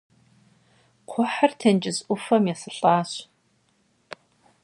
Кхъухьыр тенджыз ӏуфэм есылӏащ.